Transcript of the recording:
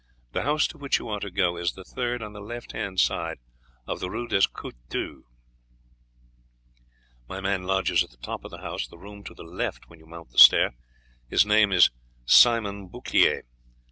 The house to which you are to go is the third on the left hand side of the Rue des Couteaux. My man lodges at the top of the house, the room to the left when you mount the stair his name is Simon Bouclier.